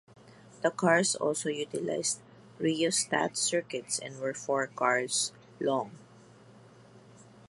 The cars also utilized rheostat circuits and were four cars long.